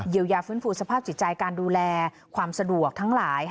ยาฟื้นฟูสภาพจิตใจการดูแลความสะดวกทั้งหลาย